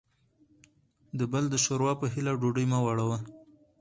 دبل دشوروا په هیله ډوډۍ مه وړه وه